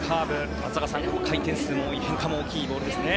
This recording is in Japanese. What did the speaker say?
松坂さん、回転数も多く変化も大きいボールですね。